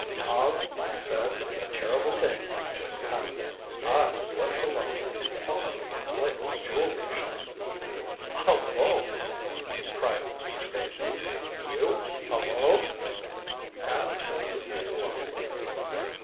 "Tom," he said, "a terrible thing has just happened. I was left alone in Ostby and Blake's jewelry shop." "Alone?" cried Mr. Stacy. "You alone?" "Absolutely alone."